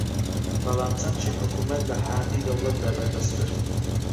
بەڵام چەمکی حکوومەت لە حاندی دەوڵەتدا بەرھەستتر